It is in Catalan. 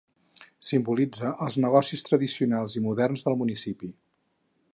Simbolitza els negocis tradicionals i moderns del municipi.